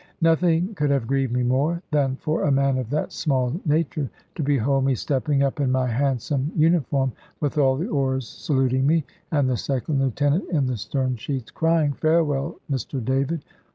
Nothing could have grieved me more, than for a man of that small nature to behold me stepping up in my handsome uniform, with all the oars saluting me, and the second lieutenant in the stern sheets crying, "Farewell, Mr David!"